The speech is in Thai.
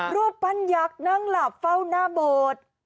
รูปปั้นยักษ์นั่งหลับเฝ้าหน้าโบสถ์